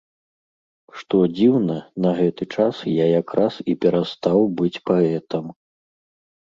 Што дзіўна, на гэты час я якраз і перастаў быць паэтам.